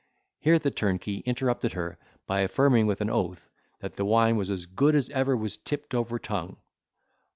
Here the turnkey interrupted her by affirming with an oath, that the wine was as good as ever was tipped over tongue.